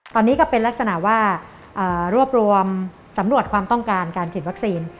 ตอนนี้ก็เป็นลักษณะว่ารวบรวมสำรวจความต้องการการฉีดวัคซีน